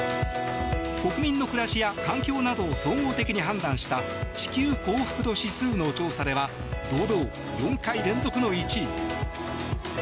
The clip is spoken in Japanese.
国民の暮らしや環境などを総合的に判断した地球幸福度指数の調査では堂々、４回連続の１位。